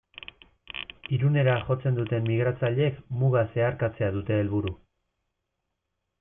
Irunera jotzen duten migratzaileek muga zeharkatzea dute helburu.